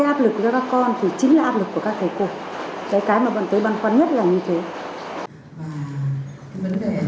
cái mà bận tới băn khoăn nhất là như thế